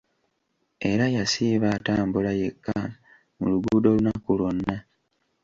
Era yasiiba atambula yekka mu luguudo olunaku lwonna.